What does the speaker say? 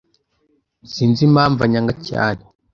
Sinzi impamvu anyanga cyane